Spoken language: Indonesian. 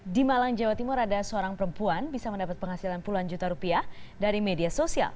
di malang jawa timur ada seorang perempuan bisa mendapat penghasilan puluhan juta rupiah dari media sosial